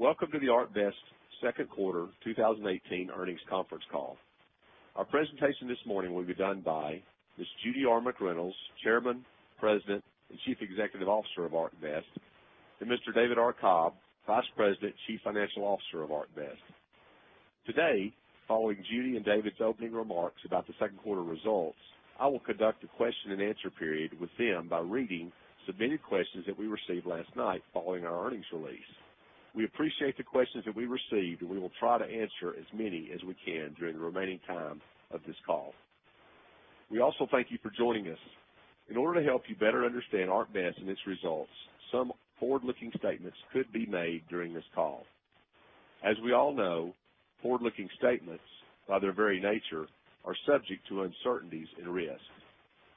Welcome to the ArcBest Second Quarter 2018 Earnings Conference Call. Our presentation this morning will be done by Ms. Judy R. McReynolds, Chairman, President, and Chief Executive Officer of ArcBest, and Mr. David R. Cobb, Vice President, Chief Financial Officer of ArcBest. Today, following Judy and David's opening remarks about the second quarter results, I will conduct a question-and-answer period with them by reading submitted questions that we received last night following our earnings release. We appreciate the questions that we received, and we will try to answer as many as we can during the remaining time of this call. We also thank you for joining us. In order to help you better understand ArcBest and its results, some forward-looking statements could be made during this call. As we all know, forward-looking statements, by their very nature, are subject to uncertainties and risks.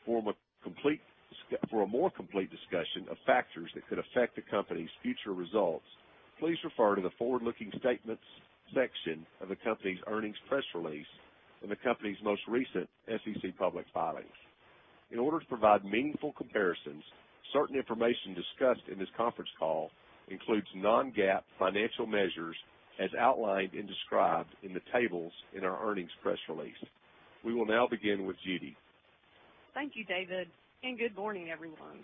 For a more complete discussion of factors that could affect the company's future results, please refer to the Forward-Looking Statements section of the company's earnings press release and the company's most recent SEC public filings. In order to provide meaningful comparisons, certain information discussed in this conference call includes non-GAAP financial measures as outlined and described in the tables in our earnings press release. We will now begin with Judy. Thank you, David, and good morning, everyone.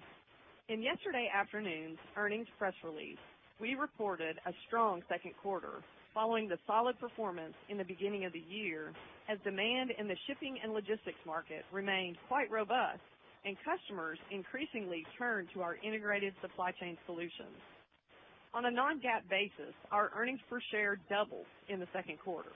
In yesterday afternoon's earnings press release, we reported a strong second quarter following the solid performance in the beginning of the year, as demand in the shipping and logistics market remained quite robust and customers increasingly turned to our integrated supply chain solutions. On a non-GAAP basis, our earnings per share doubled in the second quarter.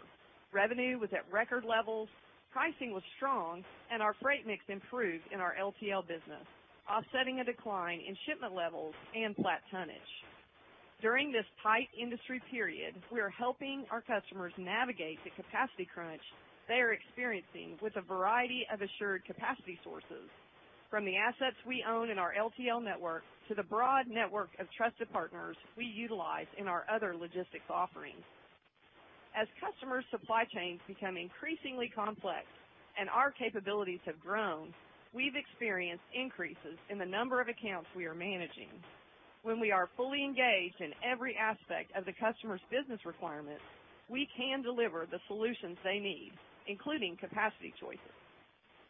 Revenue was at record levels, pricing was strong, and our freight mix improved in our LTL business, offsetting a decline in shipment levels and flat tonnage. During this tight industry period, we are helping our customers navigate the capacity crunch they are experiencing with a variety of assured capacity sources, from the assets we own in our LTL network to the broad network of trusted partners we utilize in our other logistics offerings. As customers' supply chains become increasingly complex and our capabilities have grown, we've experienced increases in the number of accounts we are managing. When we are fully engaged in every aspect of the customer's business requirements, we can deliver the solutions they need, including capacity choices.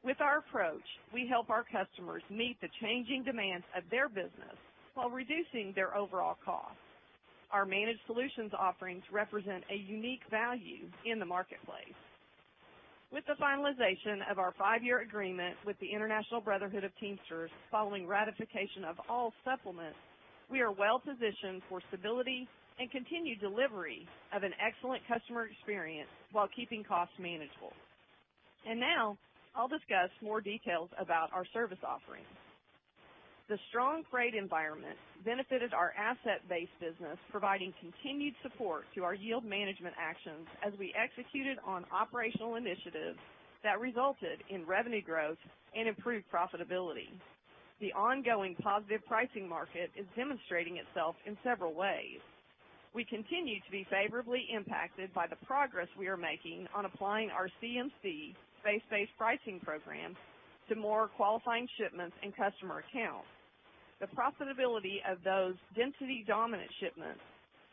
With our approach, we help our customers meet the changing demands of their business while reducing their overall costs. Our managed solutions offerings represent a unique value in the marketplace. With the finalization of our five-year agreement with the International Brotherhood of Teamsters following ratification of all supplements, we are well positioned for stability and continued delivery of an excellent customer experience while keeping costs manageable. Now, I'll discuss more details about our service offerings. The strong freight environment benefited our asset-based business, providing continued support to our yield management actions as we executed on operational initiatives that resulted in revenue growth and improved profitability. The ongoing positive pricing market is demonstrating itself in several ways. We continue to be favorably impacted by the progress we are making on applying our CMC, space-based pricing program, to more qualifying shipments and customer accounts. The profitability of those density-dominant shipments,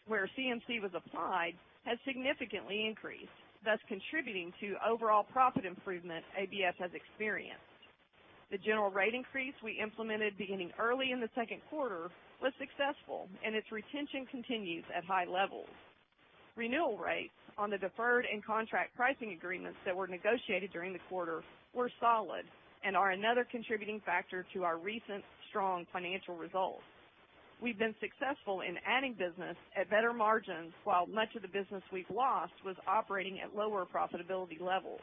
where CMC was applied, has significantly increased, thus contributing to overall profit improvement, ABF has experienced. The general rate increase we implemented beginning early in the second quarter was successful, and its retention continues at high levels. Renewal rates on the deferred and contract pricing agreements that were negotiated during the quarter were solid and are another contributing factor to our recent strong financial results. We've been successful in adding business at better margins, while much of the business we've lost was operating at lower profitability levels.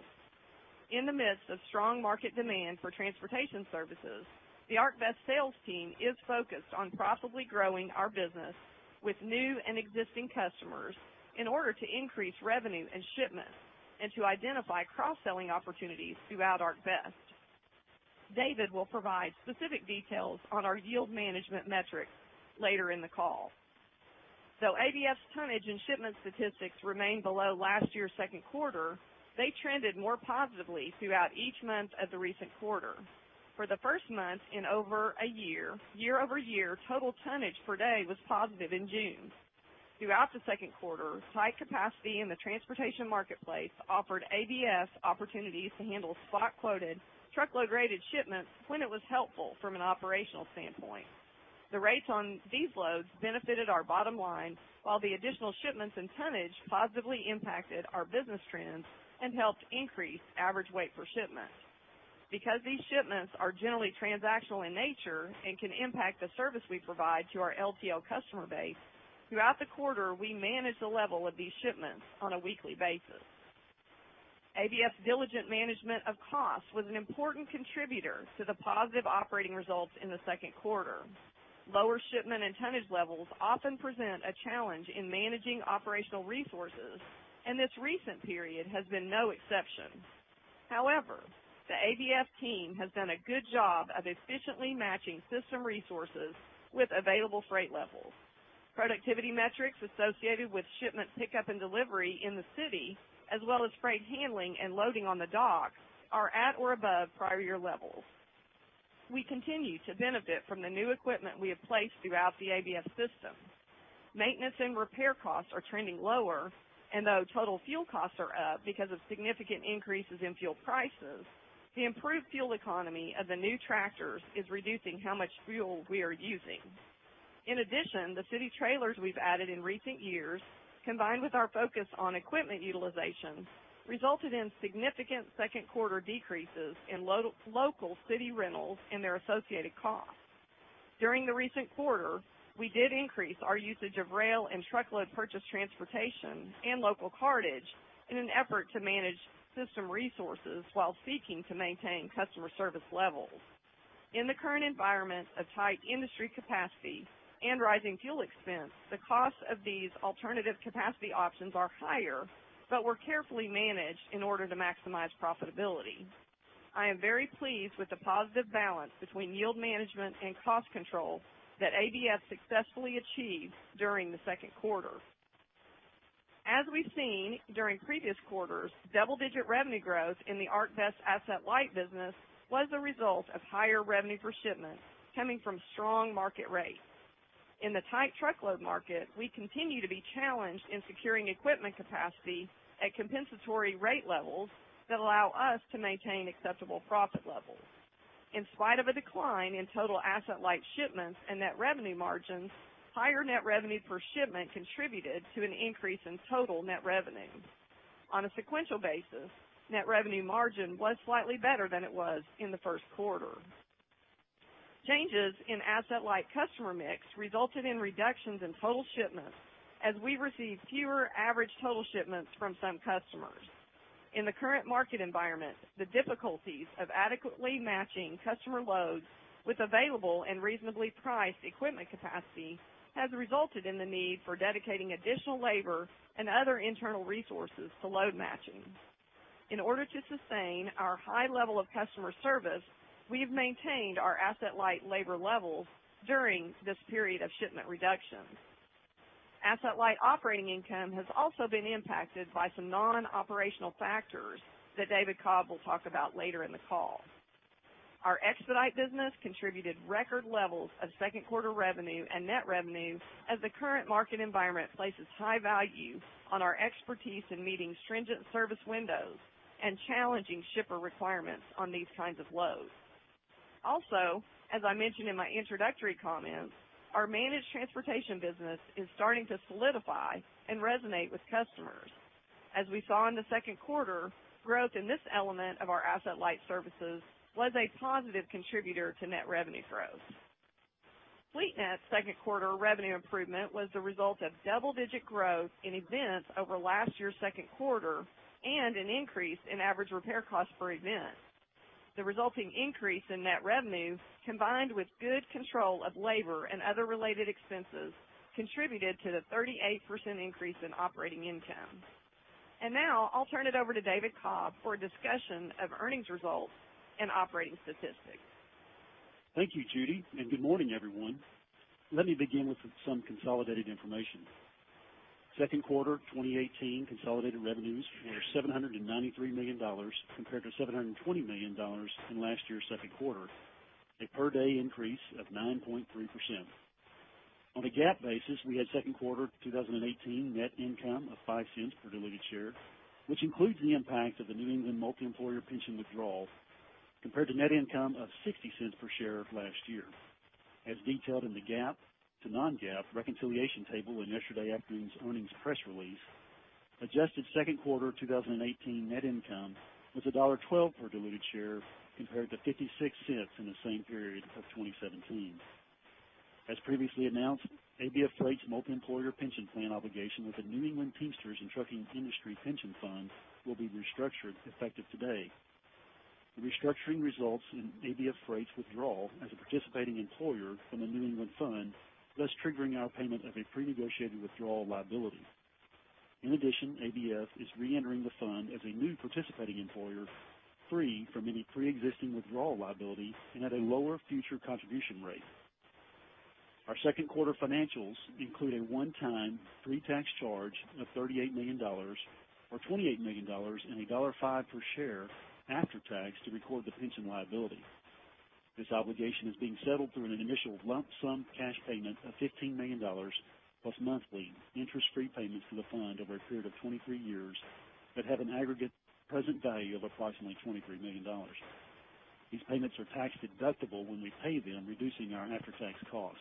In the midst of strong market demand for transportation services, the ArcBest sales team is focused on profitably growing our business with new and existing customers in order to increase revenue and shipments and to identify cross-selling opportunities throughout ArcBest. David will provide specific details on our yield management metrics later in the call. Though ABF's tonnage and shipment statistics remained below last year's second quarter, they trended more positively throughout each month of the recent quarter. For the first month in over a year, year-over-year, total tonnage per day was positive in June. Throughout the second quarter, tight capacity in the transportation marketplace offered ABF opportunities to handle spot-quoted, truckload-rated shipments when it was helpful from an operational standpoint. The rates on these loads benefited our bottom line, while the additional shipments and tonnage positively impacted our business trends and helped increase average weight per shipment. Because these shipments are generally transactional in nature and can impact the service we provide to our LTL customer base, throughout the quarter, we managed the level of these shipments on a weekly basis. ABF's diligent management of costs was an important contributor to the positive operating results in the second quarter. Lower shipment and tonnage levels often present a challenge in managing operational resources, and this recent period has been no exception. However, the ABF team has done a good job of efficiently matching system resources with available freight levels. Productivity metrics associated with shipment pickup and delivery in the city, as well as freight handling and loading on the docks, are at or above prior year levels. We continue to benefit from the new equipment we have placed throughout the ABF system. Maintenance and repair costs are trending lower, and though total fuel costs are up because of significant increases in fuel prices, the improved fuel economy of the new tractors is reducing how much fuel we are using. In addition, the city trailers we've added in recent years, combined with our focus on equipment utilization, resulted in significant second quarter decreases in local city rentals and their associated costs. During the recent quarter, we did increase our usage of rail and truckload purchase transportation and local cartage in an effort to manage system resources while seeking to maintain customer service levels. In the current environment of tight industry capacity and rising fuel expense, the cost of these alternative capacity options are higher, but were carefully managed in order to maximize profitability. I am very pleased with the positive balance between yield management and cost control that ABF successfully achieved during the second quarter. As we've seen during previous quarters, double-digit revenue growth in the ArcBest asset-light business was the result of higher revenue per shipment coming from strong market rates. In the tight truckload market, we continue to be challenged in securing equipment capacity at compensatory rate levels that allow us to maintain acceptable profit levels. In spite of a decline in total asset-light shipments and net revenue margins, higher net revenue per shipment contributed to an increase in total net revenue. On a sequential basis, net revenue margin was slightly better than it was in the first quarter. Changes in asset-light customer mix resulted in reductions in total shipments, as we received fewer average total shipments from some customers. In the current market environment, the difficulties of adequately matching customer loads with available and reasonably priced equipment capacity has resulted in the need for dedicating additional labor and other internal resources to load matching. In order to sustain our high level of customer service, we've maintained our asset-light labor levels during this period of shipment reduction. Asset-Light operating income has also been impacted by some non-operational factors that David Cobb will talk about later in the call. Our expedite business contributed record levels of second quarter revenue and net revenue, as the current market environment places high value on our expertise in meeting stringent service windows and challenging shipper requirements on these kinds of loads. Also, as I mentioned in my introductory comments, our managed transportation business is starting to solidify and resonate with customers. As we saw in the second quarter, growth in this element of our asset light services was a positive contributor to net revenue growth. FleetNet's second quarter revenue improvement was the result of double-digit growth in events over last year's second quarter, and an increase in average repair costs per event. The resulting increase in net revenue, combined with good control of labor and other related expenses, contributed to the 38% increase in operating income. And now, I'll turn it over to David Cobb for a discussion of earnings results and operating statistics. Thank you, Judy, and good morning, everyone. Let me begin with some consolidated information. Second quarter 2018 consolidated revenues were $793 million, compared to $720 million in last year's second quarter, a per-day increase of 9.3%. On a GAAP basis, we had second quarter 2018 net income of $0.05 per diluted share, which includes the impact of the New England multi-employer pension withdrawal, compared to net income of $0.60 per share last year. As detailed in the GAAP to non-GAAP reconciliation table in yesterday afternoon's earnings press release, adjusted second quarter 2018 net income was $1.12 per diluted share, compared to $0.56 in the same period of 2017. As previously announced, ABF Freight's multi-employer pension plan obligation with the New England Teamsters and Trucking Industry Pension Fund will be restructured, effective today. The restructuring results in ABF Freight's withdrawal as a participating employer from the New England Fund, thus triggering our payment of a pre-negotiated withdrawal liability. In addition, ABF is re-entering the fund as a new participating employer, free from any preexisting withdrawal liability and at a lower future contribution rate. Our second quarter financials include a one-time pre-tax charge of $38 million, or $28 million, and $1.05 per share after tax to record the pension liability. This obligation is being settled through an initial lump sum cash payment of $15 million, plus monthly interest-free payments to the fund over a period of 23 years, but have an aggregate present value of approximately $23 million. These payments are tax deductible when we pay them, reducing our after-tax cost.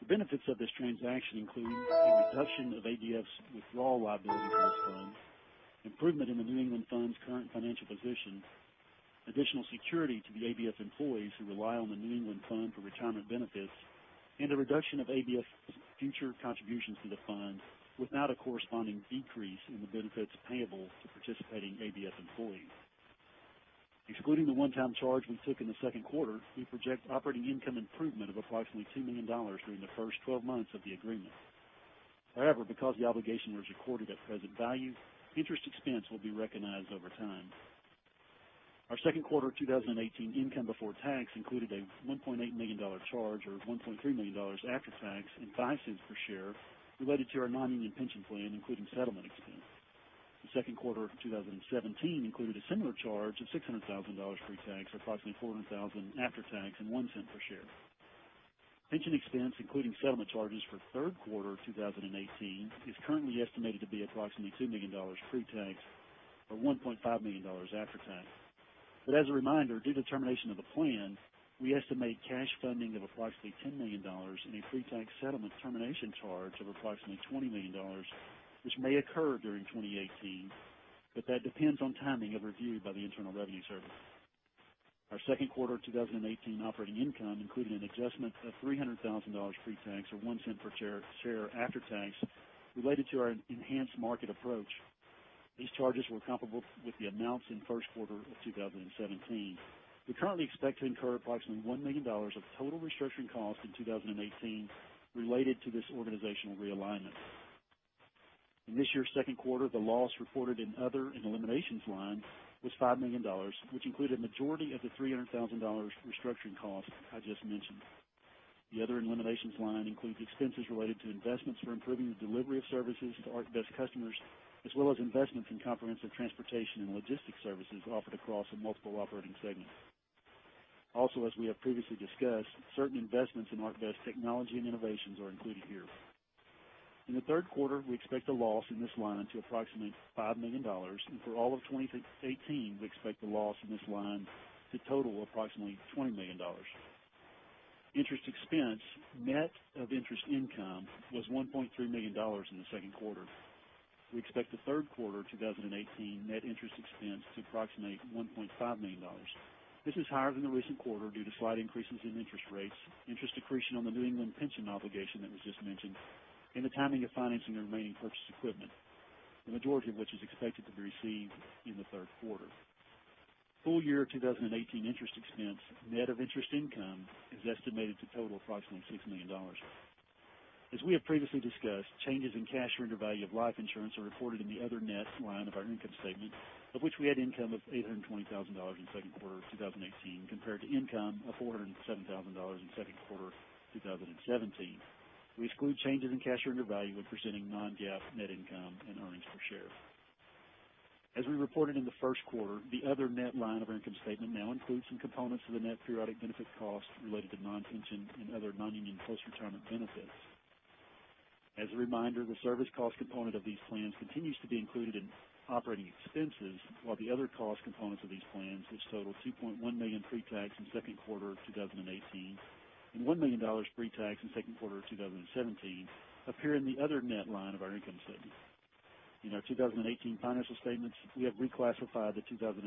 The benefits of this transaction include a reduction of ABF's withdrawal liability from this fund, improvement in the New England Fund's current financial position, additional security to the ABF employees who rely on the New England Fund for retirement benefits, and a reduction of ABF's future contributions to the fund, without a corresponding decrease in the benefits payable to participating ABF employees. Excluding the one-time charge we took in the second quarter, we project operating income improvement of approximately $2 million during the first 12 months of the agreement. However, because the obligation was recorded at present value, interest expense will be recognized over time. Our second quarter 2018 income before tax included a $1.8 million charge, or $1.3 million after tax and $0.05 per share, related to our non-union pension plan, including settlement expense. The second quarter of 2017 included a similar charge of $600,000 pre-tax, approximately $400,000 after tax and $0.01 per share. Pension expense, including settlement charges for third quarter 2018, is currently estimated to be approximately $2 million pre-tax, or $1.5 million after tax. But as a reminder, due to termination of the plan, we estimate cash funding of approximately $10 million and a pre-tax settlement termination charge of approximately $20 million, which may occur during 2018, but that depends on timing of review by the Internal Revenue Service. Our second quarter 2018 operating income included an adjustment of $300,000 pre-tax, or one cent per share, share after tax, related to our enhanced market approach. These charges were comparable with the amounts in first quarter of 2017. We currently expect to incur approximately $1 million of total restructuring costs in 2018 related to this organizational realignment. In this year's second quarter, the loss reported in other and eliminations line was $5 million, which included a majority of the $300,000 restructuring costs I just mentioned. The other eliminations line includes expenses related to investments for improving the delivery of services to ArcBest customers, as well as investments in comprehensive transportation and logistics services offered across multiple operating segments. Also, as we have previously discussed, certain investments in ArcBest technology and innovations are included here. In the third quarter, we expect a loss in this line to approximately $5 million, and for all of 2018, we expect a loss in this line to total approximately $20 million. Interest expense, net of interest income, was $1.3 million in the second quarter. We expect the third quarter 2018 net interest expense to approximate $1.5 million. This is higher than the recent quarter due to slight increases in interest rates, interest accretion on the New England pension obligation that was just mentioned, and the timing of financing the remaining purchased equipment, the majority of which is expected to be received in the third quarter. Full year 2018 interest expense, net of interest income, is estimated to total approximately $6 million. As we have previously discussed, changes in cash surrender value of life insurance are reported in the other net line of our income statement, of which we had income of $820,000 in second quarter 2018, compared to income of $407,000 in second quarter 2017. We exclude changes in cash surrender value when presenting non-GAAP net income and earnings per share. As we reported in the first quarter, the other net line of our income statement now includes some components of the net periodic benefit costs related to non-pension and other non-union post-retirement benefits. As a reminder, the service cost component of these plans continues to be included in operating expenses, while the other cost components of these plans, which total $2.1 million pre-tax in second quarter of 2018, and $1 million pre-tax in second quarter of 2017, appear in the other net line of our income statement. In our 2018 financial statements, we have reclassified the 2017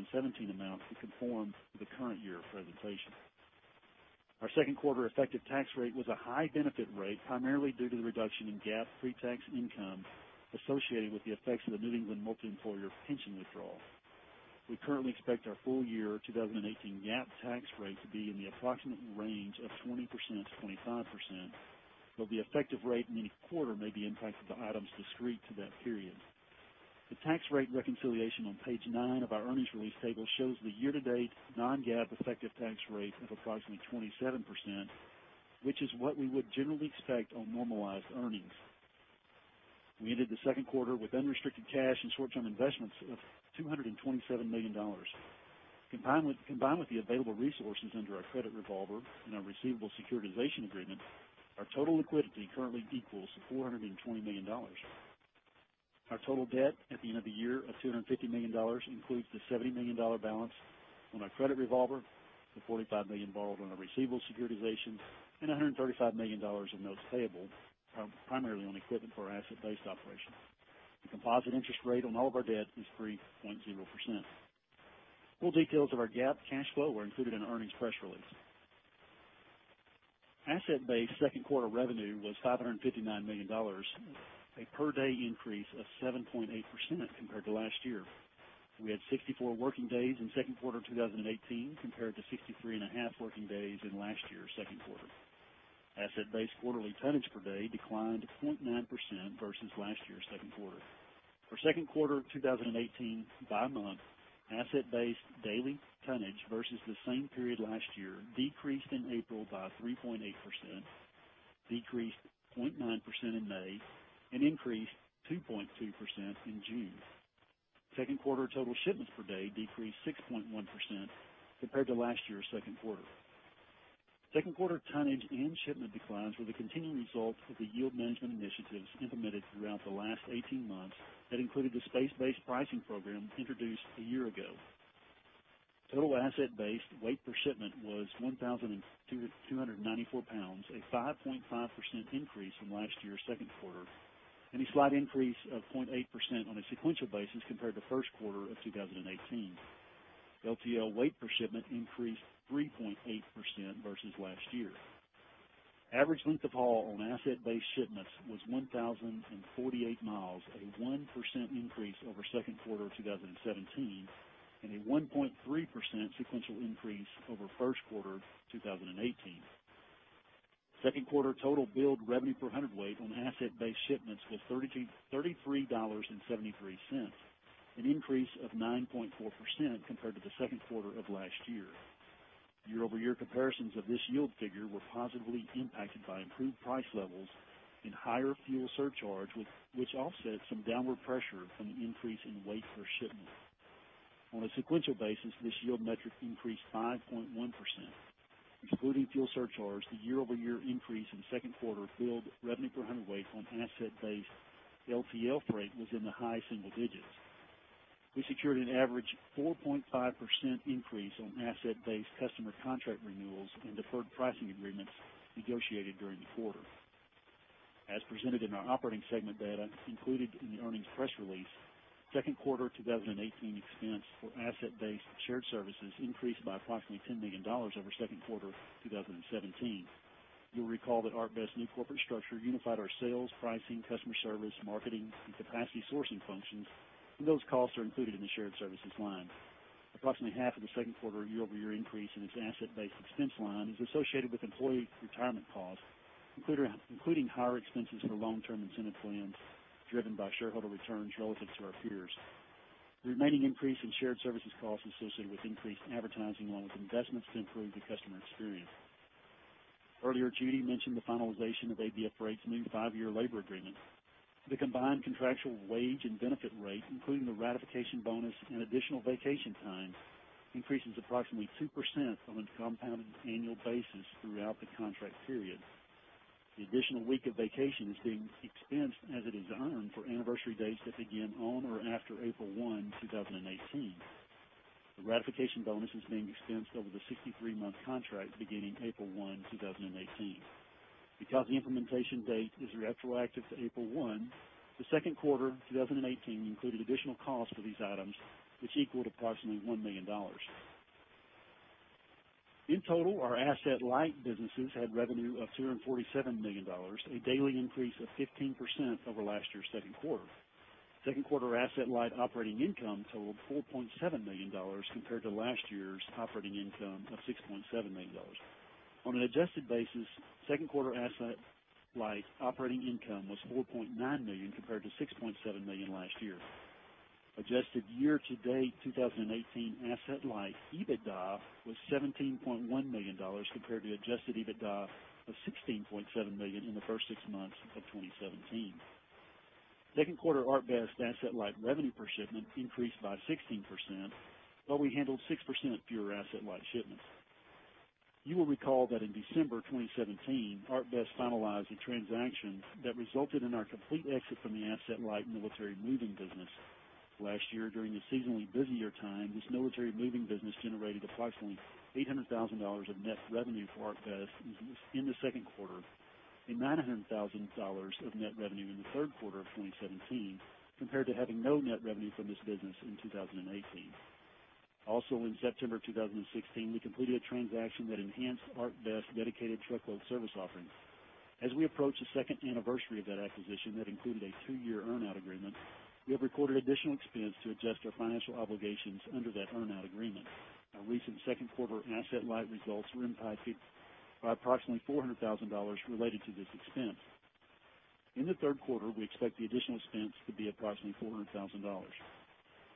amounts to conform to the current year presentation. Our second quarter effective tax rate was a high benefit rate, primarily due to the reduction in GAAP pre-tax income associated with the effects of the New England multi-employer pension withdrawal. We currently expect our full year 2018 GAAP tax rate to be in the approximate range of 20%-25%, though the effective rate in any quarter may be impacted by items discrete to that period. The tax rate reconciliation on page 9 of our earnings release table shows the year-to-date non-GAAP effective tax rate of approximately 27%, which is what we would generally expect on normalized earnings. We ended the second quarter with unrestricted cash and short-term investments of $227 million. Combined with the available resources under our credit revolver and our receivable securitization agreement, our total liquidity currently equals $420 million. Our total debt at the end of the year of $250 million includes the $70 million balance on our credit revolver, the $45 million borrowed on our receivable securitizations, and $135 million in notes payable, primarily on equipment for our Asset-Based operation. The composite interest rate on all of our debt is 3.0%. Full details of our GAAP cash flow were included in the earnings press release. Asset-Based second quarter revenue was $559 million, a per-day increase of 7.8% compared to last year. We had 64 working days in second quarter 2018, compared to 63.5 working days in last year's second quarter. Asset-Based quarterly tonnage per day declined 0.9% versus last year's second quarter. For second quarter 2018 by month, asset-based daily tonnage versus the same period last year decreased in April by 3.8%, decreased 0.9% in May, and increased 2.2% in June. Second quarter total shipments per day decreased 6.1% compared to last year's second quarter. Second quarter tonnage and shipment declines were the continuing result of the yield management initiatives implemented throughout the last 18 months that included the space-based pricing program introduced a year ago. Total asset-based weight per shipment was 1,294 pounds, a 5.5% increase from last year's second quarter, and a slight increase of 0.8% on a sequential basis compared to first quarter of 2018. LTL weight per shipment increased 3.8% versus last year. Average length of haul on asset-based shipments was 1,048 mi, a 1% increase over second quarter of 2017, and a 1.3% sequential increase over first quarter 2018. Second quarter total billed revenue per hundredweight on asset-based shipments was $32.33, an increase of 9.4% compared to the second quarter of last year. Year-over-year comparisons of this yield figure were positively impacted by improved price levels and higher fuel surcharge, which offset some downward pressure from the increase in weight per shipment. On a sequential basis, this yield metric increased 5.1%. Excluding fuel surcharges, the year-over-year increase in the second quarter billed revenue per hundredweight on asset-based LTL freight was in the high single digits. We secured an average 4.5% increase on asset-based customer contract renewals and deferred pricing agreements negotiated during the quarter. As presented in our operating segment data included in the earnings press release, second quarter 2018 expense for asset-based shared services increased by approximately $10 million over second quarter 2017. You'll recall that ArcBest's new corporate structure unified our sales, pricing, customer service, marketing, and capacity sourcing functions, and those costs are included in the shared services line. Approximately half of the second quarter year-over-year increase in its asset-based expense line is associated with employee retirement costs, including higher expenses for long-term incentive plans, driven by shareholder returns relative to our peers. The remaining increase in shared services costs associated with increased advertising, along with investments to improve the customer experience. Earlier, Judy mentioned the finalization of ABF Freight's new five year labor agreement. The combined contractual wage and benefit rate, including the ratification bonus and additional vacation time, increases approximately 2% on a compounded annual basis throughout the contract period. The additional week of vacation is being expensed as it is earned for anniversary dates that begin on or after April 1, 2018. The ratification bonus is being expensed over the 63-month contract beginning April 1, 2018. Because the implementation date is retroactive to April 1, the second quarter 2018 included additional cost for these items, which equaled approximately $1 million. In total, our asset-light businesses had revenue of $247 million, a daily increase of 15% over last year's second quarter. Second quarter asset-light operating income totaled $4.7 million compared to last year's operating income of $6.7 million. On an adjusted basis, second quarter asset-light operating income was $4.9 million, compared to $6.7 million last year. Adjusted year-to-date, 2018 asset-light EBITDA was $17.1 million, compared to adjusted EBITDA of $16.7 million in the first six months of 2017. Second quarter ArcBest asset-light revenue per shipment increased by 16%, while we handled 6% fewer asset-light shipments. You will recall that in December 2017, ArcBest finalized a transaction that resulted in our complete exit from the asset-light military moving business. Last year, during the seasonally busier time, this military moving business generated approximately $800,000 of net revenue for ArcBest in the second quarter, and $900,000 of net revenue in the third quarter of 2017, compared to having no net revenue from this business in 2018. Also, in September 2016, we completed a transaction that enhanced ArcBest's dedicated truckload service offerings. As we approach the second anniversary of that acquisition that included a two-year earn-out agreement, we have recorded additional expense to adjust our financial obligations under that earn-out agreement. Our recent second quarter asset light results were impacted by approximately $400,000 related to this expense. In the third quarter, we expect the additional expense to be approximately $400,000.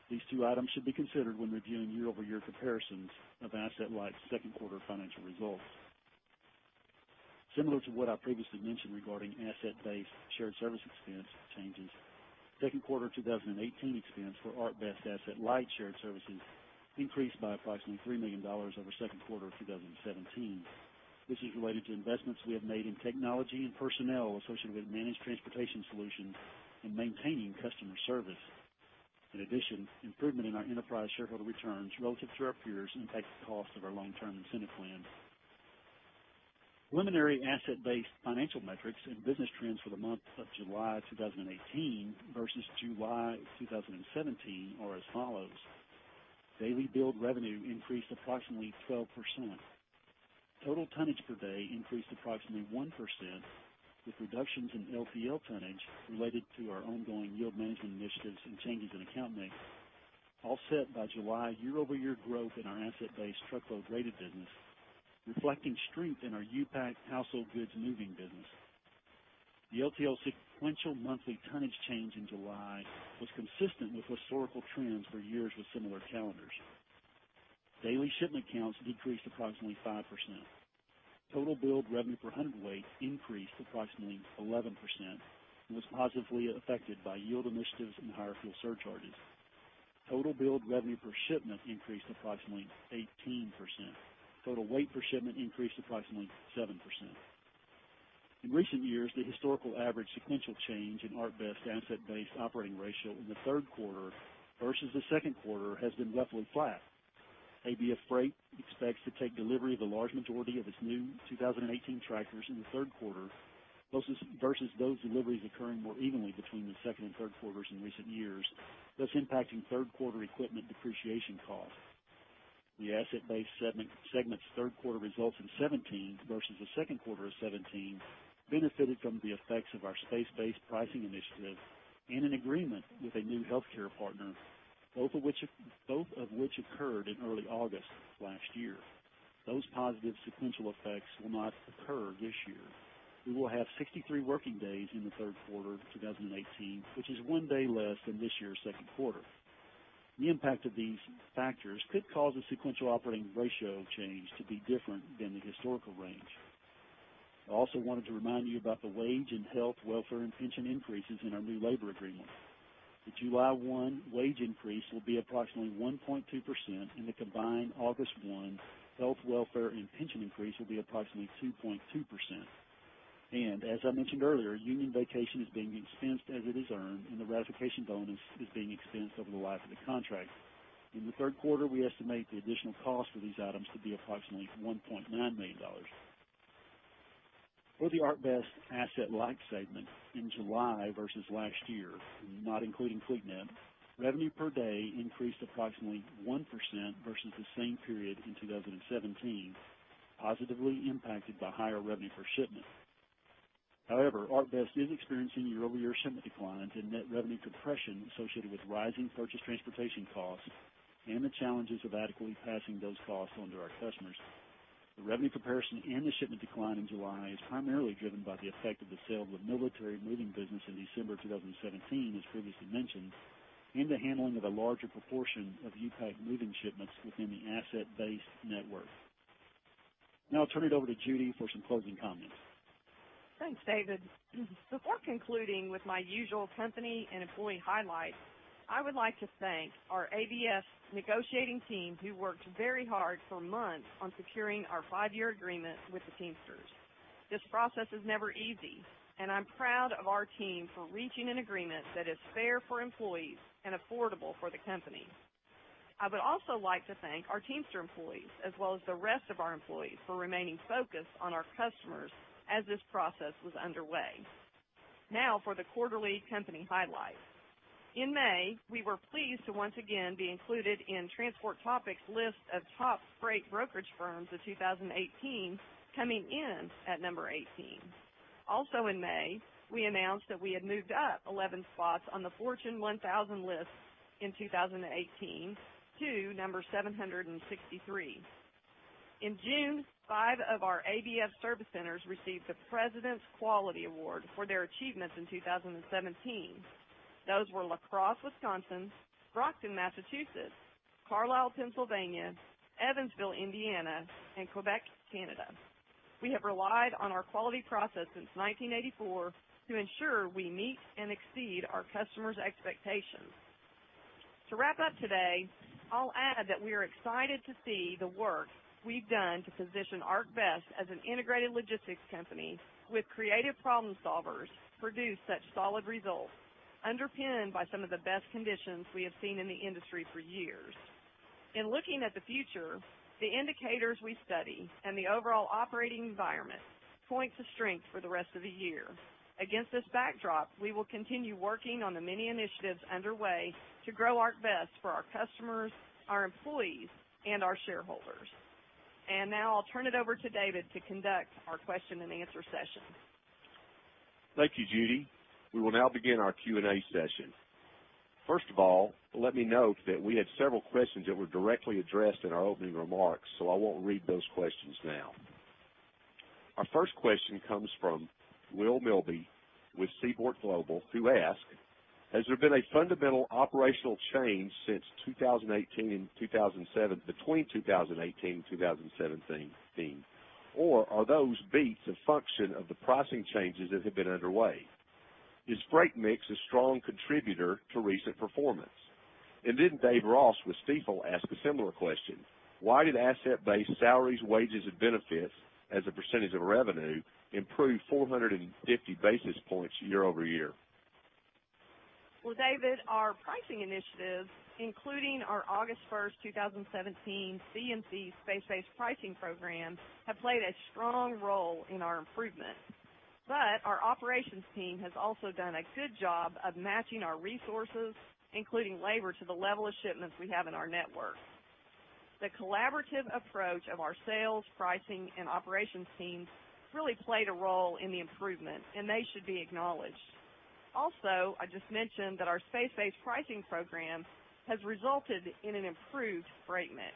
These two items should be considered when reviewing year-over-year comparisons of asset-light's second quarter financial results. Similar to what I previously mentioned regarding Asset-Based shared service expense changes, second quarter 2018 expense for ArcBest asset-light shared services increased by approximately $3 million over second quarter of 2017. This is related to investments we have made in technology and personnel associated with managed transportation solutions and maintaining customer service. In addition, improvement in our enterprise shareholder returns relative to our peers impacts the cost of our long-term incentive plan. Preliminary Asset-Based financial metrics and business trends for the month of July 2018 versus July 2017 are as follows: Daily billed revenue increased approximately 12%. Total tonnage per day increased approximately 1%, with reductions in LTL tonnage related to our ongoing yield management initiatives and changes in account mix, offset by July year-over-year growth in our asset-based truckload rated business, reflecting strength in our U-Pack household goods moving business. The LTL sequential monthly tonnage change in July was consistent with historical trends for years with similar calendars. Daily shipment counts decreased approximately 5%. Total billed revenue per hundredweight increased approximately 11% and was positively affected by yield initiatives and higher fuel surcharges. Total billed revenue per shipment increased approximately 18%. Total weight per shipment increased approximately 7%. In recent years, the historical average sequential change in ArcBest asset-based operating ratio in the third quarter versus the second quarter has been roughly flat. ABF Freight expects to take delivery of the large majority of its new 2018 tractors in the third quarter versus those deliveries occurring more evenly between the second and third quarters in recent years, thus impacting third quarter equipment depreciation costs. The Asset-Based segment's third quarter results in 2017 versus the second quarter of 2017 benefited from the effects of our Space-Based Pricing initiative and an agreement with a new healthcare partner, both of which, both of which occurred in early August last year. Those positive sequential effects will not occur this year. We will have 63 working days in the third quarter of 2018, which is one day less than this year's second quarter. The impact of these factors could cause a sequential operating ratio change to be different than the historical range. I also wanted to remind you about the wage and health, welfare, and pension increases in our new labor agreement. The July 1 wage increase will be approximately 1.2%, and the combined August 1 health, welfare, and pension increase will be approximately 2.2%. As I mentioned earlier, union vacation is being expensed as it is earned, and the ratification bonus is being expensed over the life of the contract. In the third quarter, we estimate the additional cost for these items to be approximately $1.9 million. For the ArcBest Asset Light segment, in July versus last year, not including FleetNet, revenue per day increased approximately 1% versus the same period in 2017, positively impacted by higher revenue per shipment. However, ArcBest is experiencing year-over-year shipment declines and net revenue compression associated with rising purchase transportation costs and the challenges of adequately passing those costs on to our customers. The revenue comparison and the shipment decline in July is primarily driven by the effect of the sale of the military moving business in December 2017, as previously mentioned, and the handling of a larger proportion of U-Pack moving shipments within the asset-based network. Now I'll turn it over to Judy for some closing comments. Thanks, David. Before concluding with my usual company and employee highlights, I would like to thank our ABF negotiating team, who worked very hard for months on securing our five-year agreement with the Teamsters. This process is never easy, and I'm proud of our team for reaching an agreement that is fair for employees and affordable for the company. I would also like to thank our Teamster employees, as well as the rest of our employees, for remaining focused on our customers as this process was underway. Now for the quarterly company highlights. In May, we were pleased to once again be included in Transport Topics' list of top freight brokerage firms of 2018, coming in at number 18. Also in May, we announced that we had moved up 11 spots on the Fortune 1000 list in 2018 to number 763. In June, five of our ABF service centers received the President's Quality Award for their achievements in 2017. Those were La Crosse, Wisconsin, Brockton, Massachusetts, Carlisle, Pennsylvania, Evansville, Indiana, and Quebec, Canada. We have relied on our quality process since 1984 to ensure we meet and exceed our customers' expectations. To wrap up today, I'll add that we are excited to see the work we've done to position ArcBest as an integrated logistics company with creative problem solvers produce such solid results, underpinned by some of the best conditions we have seen in the industry for years. In looking at the future, the indicators we study and the overall operating environment points to strength for the rest of the year. Against this backdrop, we will continue working on the many initiatives underway to grow ArcBest for our customers, our employees, and our shareholders. Now I'll turn it over to David to conduct our question and answer session. Thank you, Judy. We will now begin our Q&A session. First of all, let me note that we had several questions that were directly addressed in our opening remarks, so I won't read those questions now. Our first question comes from Will Milby with Seaport Global, who asked: Has there been a fundamental operational change between 2018 and 2017, or are those beats a function of the pricing changes that have been underway? Is freight mix a strong contributor to recent performance? And then Dave Ross with Stifel asked a similar question: Why did Asset-Based salaries, wages, and benefits, as a percentage of revenue, improve 450 basis points year-over-year? Well, David, our pricing initiatives, including our August 1st, 2017 CMC space-based pricing program, have played a strong role in our improvement. But our operations team has also done a good job of matching our resources, including labor, to the level of shipments we have in our network. The collaborative approach of our sales, pricing, and operations teams really played a role in the improvement, and they should be acknowledged. Also, I just mentioned that our space-based pricing program has resulted in an improved freight mix.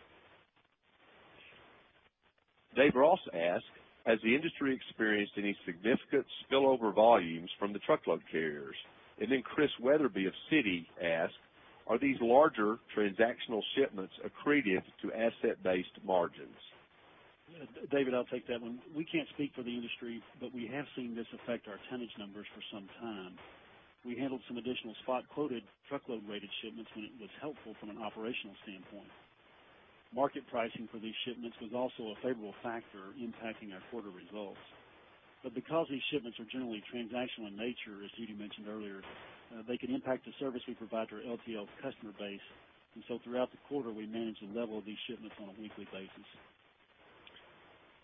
Dave Ross asked: Has the industry experienced any significant spillover volumes from the truckload carriers? And then Chris Weatherby of Citi asked: Are these larger transactional shipments accretive to asset-based margins? Yeah, David, I'll take that one. We can't speak for the industry, but we have seen this affect our tonnage numbers for some time. We handled some additional spot-quoted, truckload-rated shipments, and it was helpful from an operational standpoint. Market pricing for these shipments was also a favorable factor impacting our quarter results. But because these shipments are generally transactional in nature, as Judy mentioned earlier, they can impact the service we provide to our LTL customer base, and so throughout the quarter, we managed the level of these shipments on a weekly basis.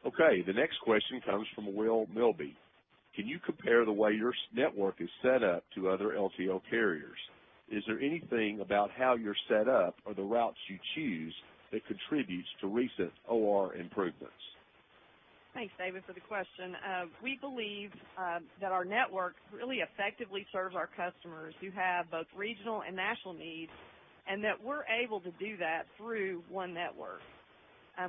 Okay, the next question comes from Will Milby: Can you compare the way your service network is set up to other LTL carriers? Is there anything about how you're set up or the routes you choose that contributes to recent OR improvements? Thanks, David, for the question. We believe that our network really effectively serves our customers who have both regional and national needs, and that we're able to do that through one network.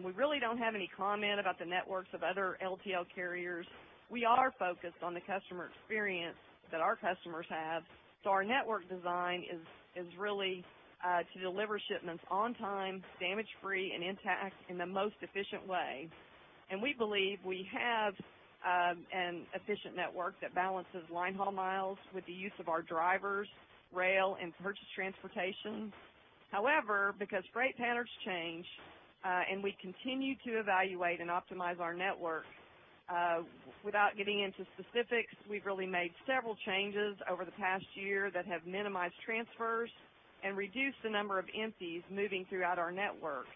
We really don't have any comment about the networks of other LTL carriers. We are focused on the customer experience that our customers have, so our network design is really to deliver shipments on time, damage free, and intact in the most efficient way. And we believe we have an efficient network that balances linehaul miles with the use of our drivers, rail, and purchase transportation. However, because freight patterns change, and we continue to evaluate and optimize our network, without getting into specifics, we've really made several changes over the past year that have minimized transfers and reduced the number of empties moving throughout our network.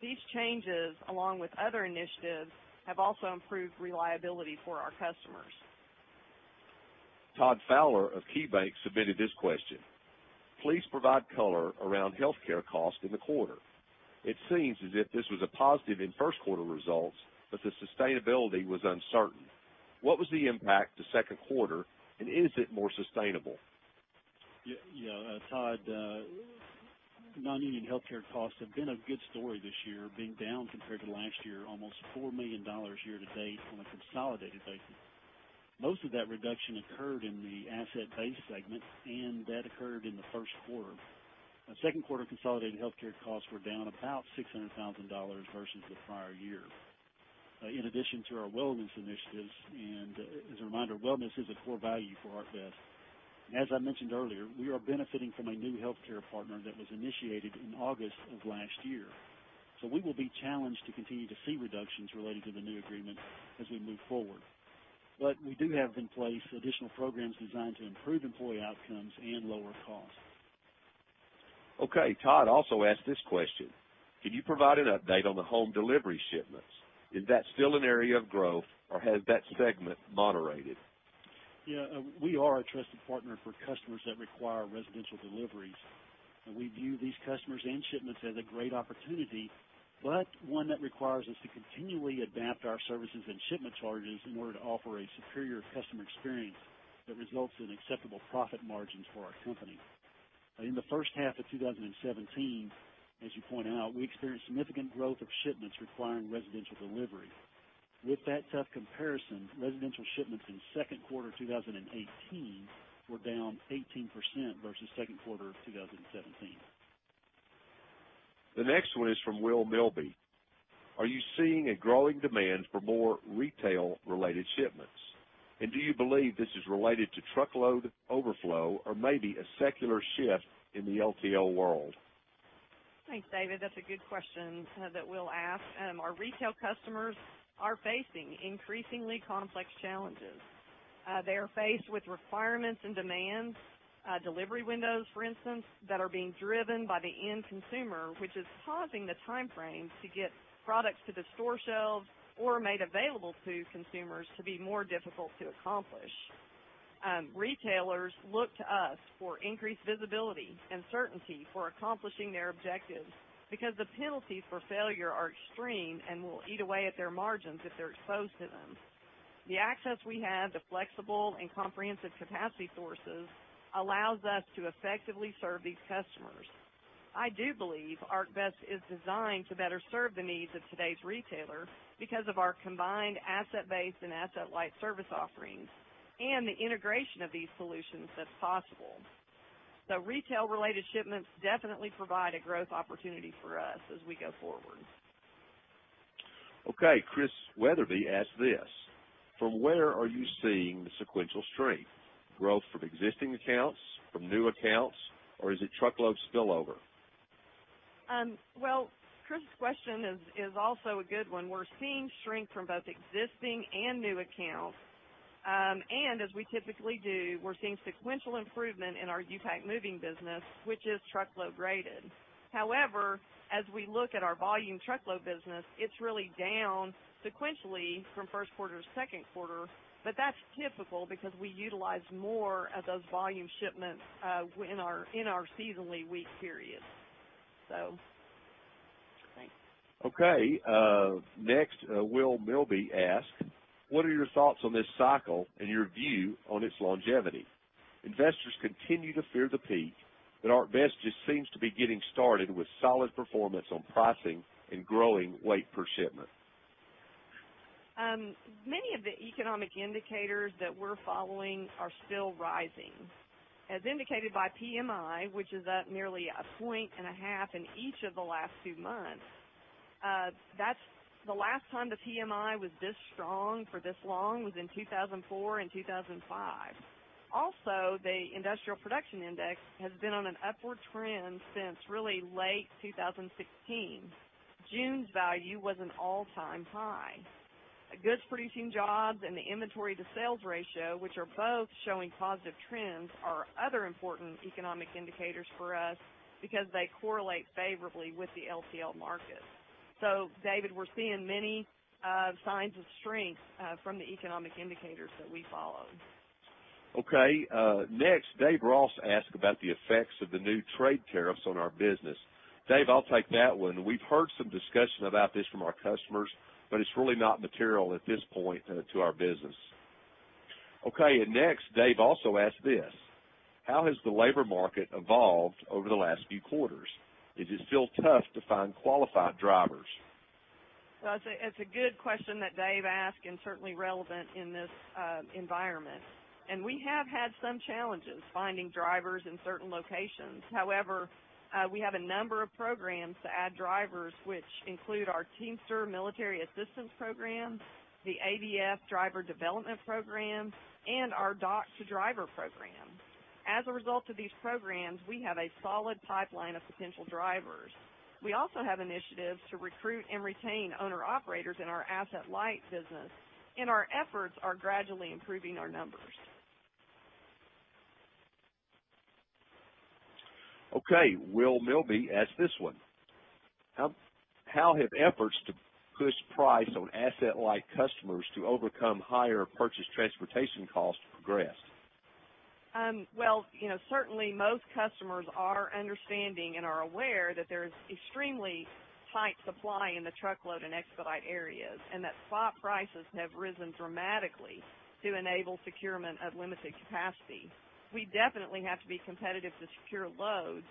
These changes, along with other initiatives, have also improved reliability for our customers. Todd Fowler of KeyBanc submitted this question: "Please provide color around healthcare costs in the quarter. It seems as if this was a positive in first quarter results, but the sustainability was uncertain. What was the impact to second quarter, and is it more sustainable? Yeah, yeah, Todd, non-union healthcare costs have been a good story this year, being down compared to last year, almost $4 million year to date on a consolidated basis. Most of that reduction occurred in the Asset-Based segment, and that occurred in the first quarter. Second quarter consolidated healthcare costs were down about $600,000 versus the prior year. In addition to our wellness initiatives, and as a reminder, wellness is a core value for ArcBest. As I mentioned earlier, we are benefiting from a new healthcare partner that was initiated in August of last year. So we will be challenged to continue to see reductions related to the new agreement as we move forward. But we do have in place additional programs designed to improve employee outcomes and lower costs. Okay. Todd also asked this question: "Can you provide an update on the home delivery shipments? Is that still an area of growth, or has that segment moderated? Yeah, we are a trusted partner for customers that require residential deliveries, and we view these customers and shipments as a great opportunity, but one that requires us to continually adapt our services and shipment charges in order to offer a superior customer experience that results in acceptable profit margins for our company. In the first half of 2017, as you pointed out, we experienced significant growth of shipments requiring residential delivery. With that tough comparison, residential shipments in second quarter 2018 were down 18% versus second quarter of 2017. The next one is from Will Milby. "Are you seeing a growing demand for more retail-related shipments? And do you believe this is related to truckload overflow or maybe a secular shift in the LTL world? Thanks, David. That's a good question that Will asked. Our retail customers are facing increasingly complex challenges. They are faced with requirements and demands, delivery windows, for instance, that are being driven by the end consumer, which is causing the time frame to get products to the store shelves or made available to consumers to be more difficult to accomplish. Retailers look to us for increased visibility and certainty for accomplishing their objectives because the penalties for failure are extreme and will eat away at their margins if they're exposed to them. The access we have to flexible and comprehensive capacity sources allows us to effectively serve these customers. I do believe ArcBest is designed to better serve the needs of today's retailer because of our combined asset base and asset-light service offerings and the integration of these solutions that's possible. Retail-related shipments definitely provide a growth opportunity for us as we go forward. Okay. Chris Weatherby asked this: "From where are you seeing the sequential strength? Growth from existing accounts, from new accounts, or is it truckload spillover? Well, Chris's question is also a good one. We're seeing strength from both existing and new accounts. And as we typically do, we're seeing sequential improvement in our U-Pack moving business, which is truckload graded. However, as we look at our volume truckload business, it's really down sequentially from first quarter to second quarter, but that's typical because we utilize more of those volume shipments in our seasonally weak periods. So... thanks. Okay. Next, Will Milby asked, "What are your thoughts on this cycle and your view on its longevity? Investors continue to fear the peak, but ArcBest just seems to be getting started with solid performance on pricing and growing weight per shipment. Many of the economic indicators that we're following are still rising. As indicated by PMI, which is up nearly 1.5 in each of the last two months, that's. The last time the PMI was this strong for this long was in 2004 and 2005. Also, the Industrial Production Index has been on an upward trend since really late 2016. June's value was an all-time high. Goods-producing jobs and the inventory to sales ratio, which are both showing positive trends, are other important economic indicators for us because they correlate favorably with the LTL market. So David, we're seeing many signs of strength from the economic indicators that we follow. Okay. Next, Dave Ross asked about the effects of the new trade tariffs on our business. Dave, I'll take that one. We've heard some discussion about this from our customers, but it's really not material at this point to our business. Okay, and next, Dave also asked this: "How has the labor market evolved over the last few quarters? Is it still tough to find qualified drivers? Well, it's a, it's a good question that Dave asked, and certainly relevant in this environment. And we have had some challenges finding drivers in certain locations. However, we have a number of programs to add drivers, which include our Teamster Military Assistance Program, the ABF Driver Development Program, and our Dock to Driver program. As a result of these programs, we have a solid pipeline of potential drivers. We also have initiatives to recruit and retain owner-operators in our asset-light business, and our efforts are gradually improving our numbers. Okay, Will Milby asked this one: "How have efforts to push price on asset-light customers to overcome higher purchase transportation costs progressed? Well, you know, certainly, most customers are understanding and are aware that there's extremely tight supply in the truckload and expedite areas, and that spot prices have risen dramatically to enable procurement of limited capacity. We definitely have to be competitive to secure loads,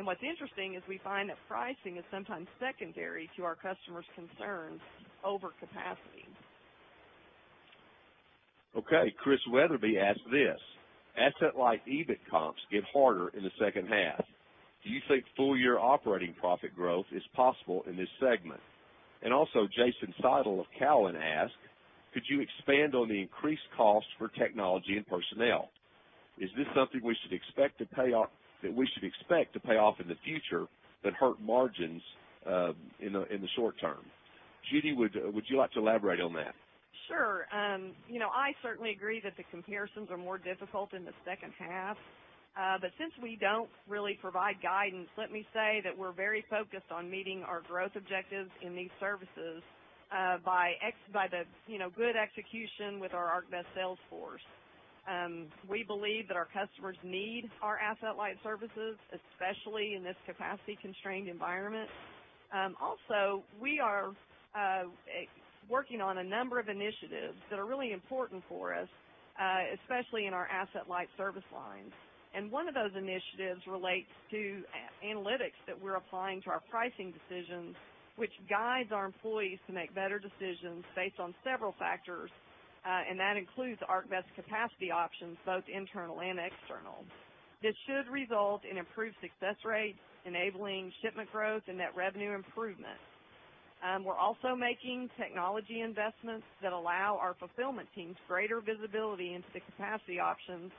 and what's interesting is we find that pricing is sometimes secondary to our customers' concerns over capacity. Okay, Chris Weatherby asked this: "Asset-Light EBIT comps get harder in the second half. Do you think full-year operating profit growth is possible in this segment?" And also, Jason Seidel of Cowen asked: "Could you expand on the increased costs for technology and personnel? Is this something we should expect to pay off, that we should expect to pay off in the future, but hurt margins in the short term?" Judy, would you like to elaborate on that? Sure. You know, I certainly agree that the comparisons are more difficult in the second half. But since we don't really provide guidance, let me say that we're very focused on meeting our growth objectives in these services, by the, you know, good execution with our ArcBest sales force. We believe that our customers need our asset-light services, especially in this capacity-constrained environment. Also, we are working on a number of initiatives that are really important for us, especially in our asset-light service lines. And one of those initiatives relates to analytics that we're applying to our pricing decisions, which guides our employees to make better decisions based on several factors, and that includes ArcBest capacity options, both internal and external. This should result in improved success rates, enabling shipment growth and net revenue improvement. We're also making technology investments that allow our fulfillment teams greater visibility into the capacity options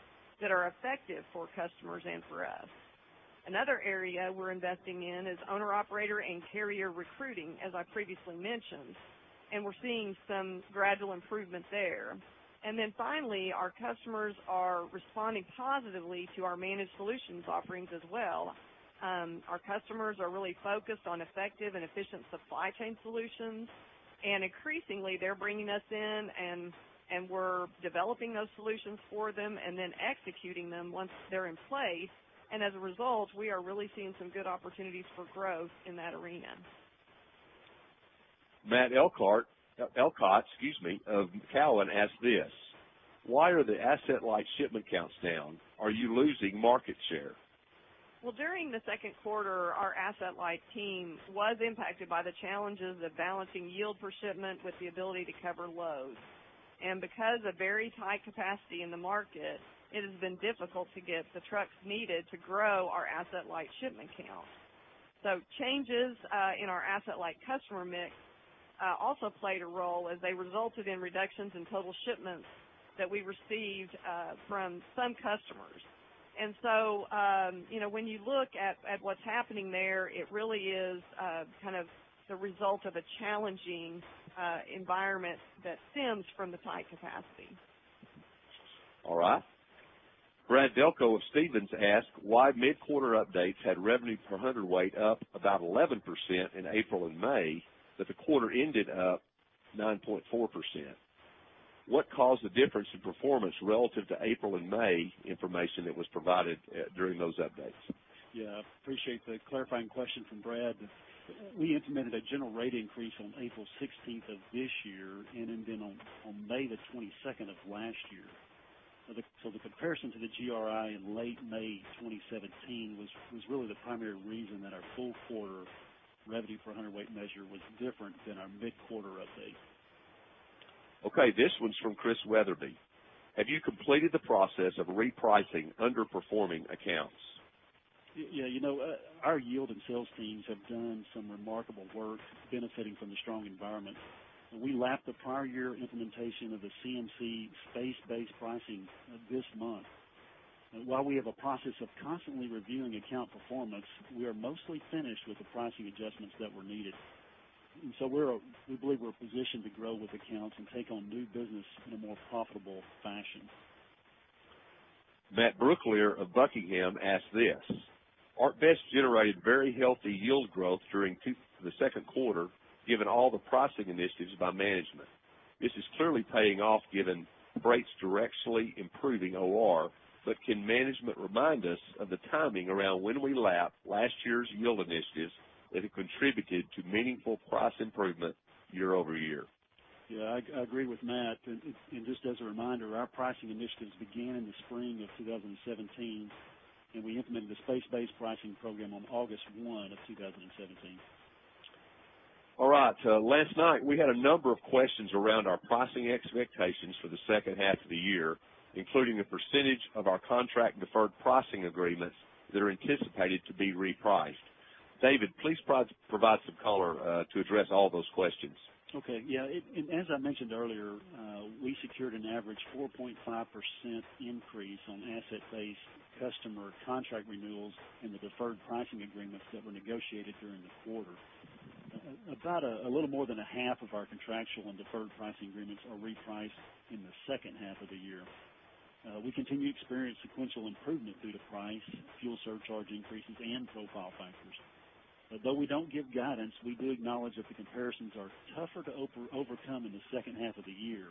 that are effective for customers and for us. Another area we're investing in is owner-operator and carrier recruiting, as I previously mentioned, and we're seeing some gradual improvements there. And then finally, our customers are responding positively to our managed solutions offerings as well. Our customers are really focused on effective and efficient supply chain solutions, and increasingly, they're bringing us in and, and we're developing those solutions for them and then executing them once they're in place. And as a result, we are really seeing some good opportunities for growth in that arena. Matt Elkott of Cowen asked this: "Why are the asset-light shipment counts down? Are you losing market share? Well, during the second quarter, our asset-light team was impacted by the challenges of balancing yield per shipment with the ability to cover loads. And because of very tight capacity in the market, it has been difficult to get the trucks needed to grow our asset-light shipment count. So changes in our asset-light customer mix also played a role as they resulted in reductions in total shipments that we received from some customers. And so, you know, when you look at what's happening there, it really is kind of the result of a challenging environment that stems from the tight capacity. All right. Brad Delco of Stephens asked why mid-quarter updates had revenue per hundredweight up about 11% in April and May, but the quarter ended up 9.4%. "What caused the difference in performance relative to April and May information that was provided during those updates? Yeah, I appreciate the clarifying question from Brad. We implemented a general rate increase on April 16th of this year and then on May 22nd of last year. So the comparison to the GRI in late May 2017 was really the primary reason that our full quarter revenue per hundredweight measure was different than our mid-quarter update. Okay, this one's from Chris Weatherby: "Have you completed the process of repricing underperforming accounts? Yeah. You know, our yield and sales teams have done some remarkable work benefiting from the strong environment. We lapped the prior year implementation of the CMC space-based pricing this month. While we have a process of constantly reviewing account performance, we are mostly finished with the pricing adjustments that were needed. And so we're we believe we're positioned to grow with accounts and take on new business in a more profitable fashion. Matt Brooklier of Buckingham asked this: "ArcBest generated very healthy yield growth during the second quarter, given all the pricing initiatives by management. This is clearly paying off, given rates directly improving OR, but can management remind us of the timing around when we lap last year's yield initiatives that have contributed to meaningful price improvement year-over-year?... Yeah, I agree with Matt. And just as a reminder, our pricing initiatives began in the spring of 2017, and we implemented the Space-Based Pricing program on August 1, 2017. All right. Last night, we had a number of questions around our pricing expectations for the second half of the year, including the percentage of our contract deferred pricing agreements that are anticipated to be repriced. David, please provide some color to address all those questions. Okay, yeah. And as I mentioned earlier, we secured an average 4.5% increase on asset-based customer contract renewals and the deferred pricing agreements that were negotiated during the quarter. About a little more than a half of our contractual and deferred pricing agreements are repriced in the second half of the year. We continue to experience sequential improvement due to price, fuel surcharge increases, and profile factors. Although we don't give guidance, we do acknowledge that the comparisons are tougher to overcome in the second half of the year.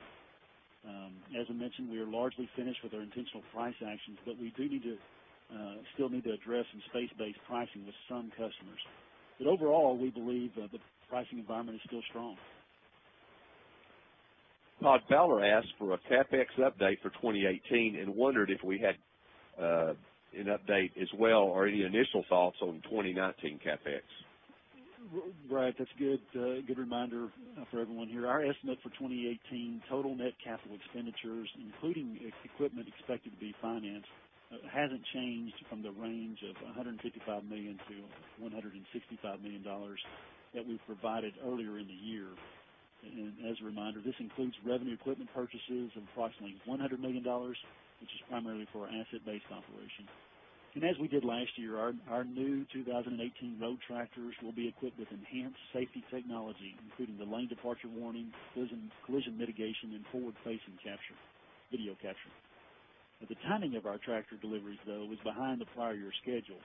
As I mentioned, we are largely finished with our intentional price actions, but we still need to address some space-based pricing with some customers. But overall, we believe the pricing environment is still strong. Todd Fowler asked for a CapEx update for 2018 and wondered if we had an update as well or any initial thoughts on 2019 CapEx. Well, Brad, that's good, good reminder, for everyone here. Our estimate for 2018 total net capital expenditures, including equipment expected to be financed, hasn't changed from the range of $155 million-$165 million that we provided earlier in the year. And as a reminder, this includes revenue equipment purchases of approximately $100 million, which is primarily for our asset-based operations. And as we did last year, our new 2018 road tractors will be equipped with enhanced safety technology, including the lane departure warning, collision mitigation, and forward-facing video capture. But the timing of our tractor deliveries, though, was behind the prior year's schedule,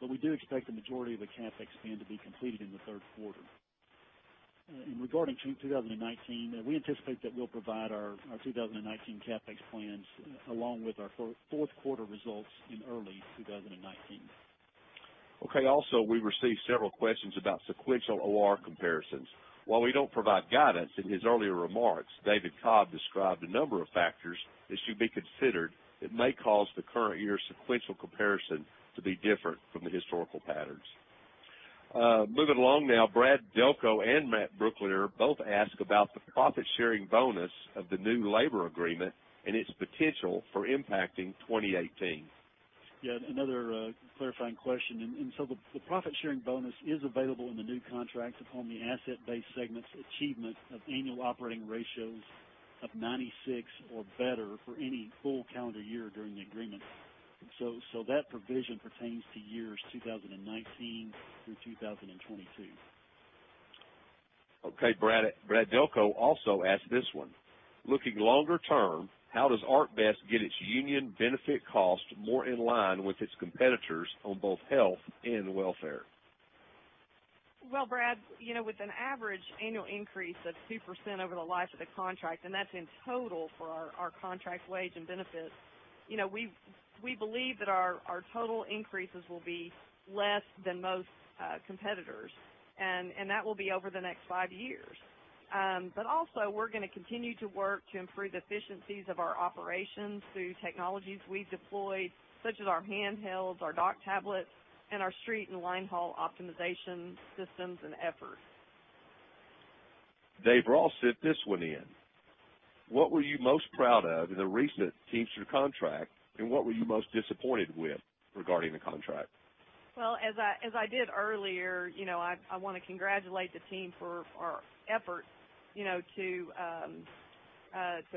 but we do expect the majority of the CapEx spend to be completed in the third quarter. And regarding 2019, we anticipate that we'll provide our 2019 CapEx plans along with our fourth quarter results in early 2019. Okay, also, we received several questions about sequential OR comparisons. While we don't provide guidance, in his earlier remarks, David Cobb described a number of factors that should be considered that may cause the current year's sequential comparison to be different from the historical patterns. Moving along now, Brad Delco and Matt Brooklier both ask about the profit-sharing bonus of the new labor agreement and its potential for impacting 2018. Yeah, another clarifying question. And so the profit-sharing bonus is available in the new contract upon the Asset-Based segment's achievement of annual operating ratios of 96 or better for any full calendar year during the agreement. So that provision pertains to years 2019 through 2022. Okay, Brad, Brad Delco also asked this one: Looking longer term, how does ArcBest get its union benefit cost more in line with its competitors on both health and welfare? Well, Brad, you know, with an average annual increase of 2% over the life of the contract, and that's in total for our contract wage and benefits, you know, we've we believe that our total increases will be less than most competitors, and that will be over the next five years. But also, we're gonna continue to work to improve the efficiencies of our operations through technologies we deploy, such as our handhelds, our dock tablets, and our street and linehaul optimization systems and efforts. Dave Ross sent this one in: What were you most proud of in the recent Teamster contract, and what were you most disappointed with regarding the contract? Well, as I did earlier, you know, I wanna congratulate the team for our effort, you know, to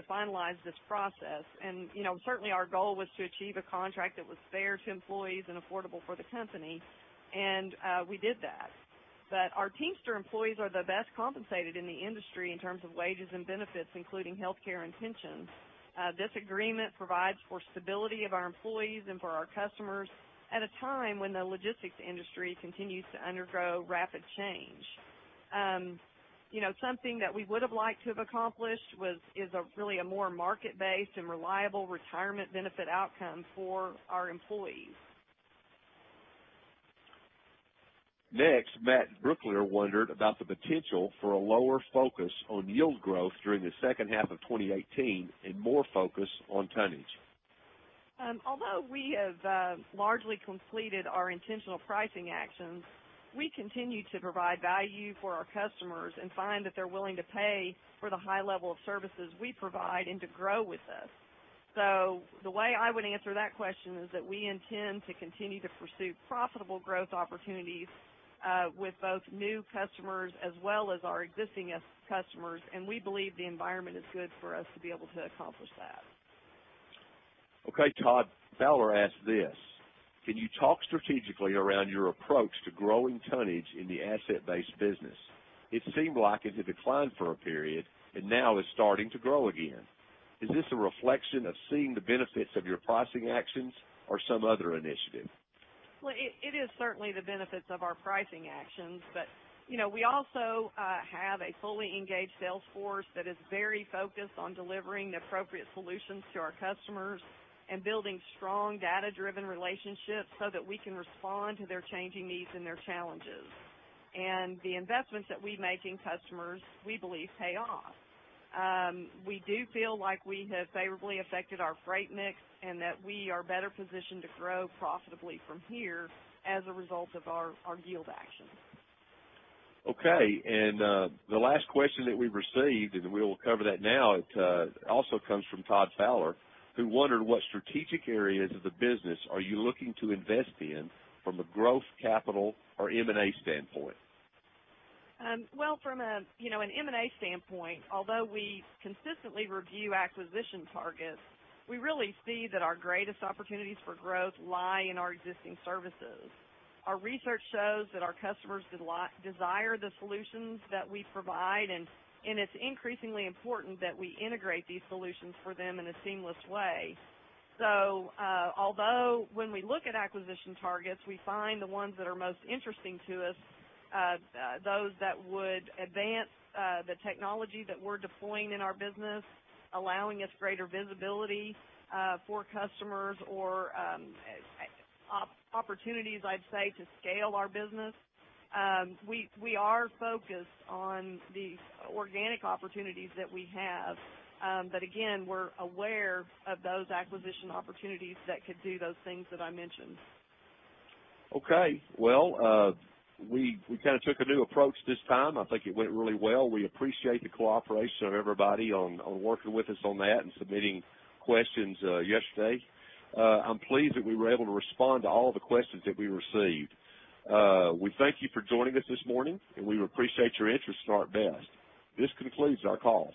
finalize this process. And, you know, certainly, our goal was to achieve a contract that was fair to employees and affordable for the company, and we did that. But our Teamster employees are the best compensated in the industry in terms of wages and benefits, including healthcare and pensions. This agreement provides for stability of our employees and for our customers at a time when the logistics industry continues to undergo rapid change. You know, something that we would have liked to have accomplished was a really more market-based and reliable retirement benefit outcome for our employees. Next, Matt Brooklier wondered about the potential for a lower focus on yield growth during the second half of 2018 and more focus on tonnage. Although we have largely completed our intentional pricing actions, we continue to provide value for our customers and find that they're willing to pay for the high level of services we provide and to grow with us. So the way I would answer that question is that we intend to continue to pursue profitable growth opportunities with both new customers as well as our existing customers, and we believe the environment is good for us to be able to accomplish that. Okay, Todd Fowler asked this: Can you talk strategically around your approach to growing tonnage in the asset-based business? It seemed like it had declined for a period and now is starting to grow again. Is this a reflection of seeing the benefits of your pricing actions or some other initiative? Well, it is certainly the benefits of our pricing actions, but, you know, we also have a fully engaged sales force that is very focused on delivering the appropriate solutions to our customers and building strong, data-driven relationships so that we can respond to their changing needs and their challenges. And the investments that we make in customers, we believe pay off. We do feel like we have favorably affected our freight mix and that we are better positioned to grow profitably from here as a result of our yield actions. Okay. And, the last question that we've received, and we will cover that now, it also comes from Todd Fowler, who wondered what strategic areas of the business are you looking to invest in from a growth, capital, or M&A standpoint? Well, from a, you know, an M&A standpoint, although we consistently review acquisition targets, we really see that our greatest opportunities for growth lie in our existing services. Our research shows that our customers desire the solutions that we provide, and it's increasingly important that we integrate these solutions for them in a seamless way. So, although when we look at acquisition targets, we find the ones that are most interesting to us, those that would advance the technology that we're deploying in our business, allowing us greater visibility for customers or opportunities, I'd say, to scale our business. We are focused on the organic opportunities that we have, but again, we're aware of those acquisition opportunities that could do those things that I mentioned. Okay. Well, we kind of took a new approach this time. I think it went really well. We appreciate the cooperation of everybody on working with us on that and submitting questions yesterday. I'm pleased that we were able to respond to all the questions that we received. We thank you for joining us this morning, and we appreciate your interest in ArcBest. This concludes our call.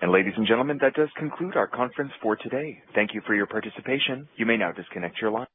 And ladies and gentlemen, that does conclude our conference for today. Thank you for your participation. You may now disconnect your line.